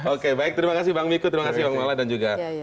oke baik terima kasih bang miku terima kasih bang mola dan juga bu enid